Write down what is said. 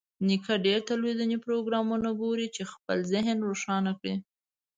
نیکه ډېر تلویزیوني پروګرامونه ګوري چې خپل ذهن روښانه کړي.